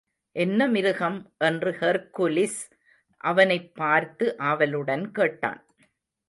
என்ன மிருகம்? என்று ஹெர்க்குலிஸ் அவனைப்பார்த்து ஆவலுடன் கேட்டான்.